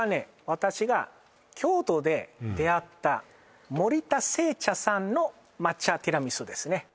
私が京都で出会った森田製茶さんの抹茶ティラミスですね